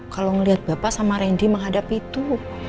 kalau ngeliat bapak sama rendi menghadapi itu